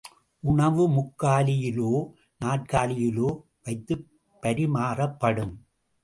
உணவு முக்காலியிலோ நாற்காலியிலோ வைத்துப் பறிமாறப்படும்.